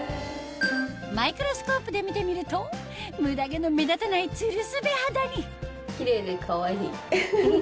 マイクロスコープで見てみるとムダ毛の目立たないツルスベ肌にキレイでかわいい。